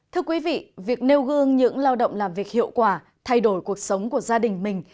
thưa quý vị việc nêu gương những lao động làm việc hiệu quả thay đổi cuộc sống của gia đình mình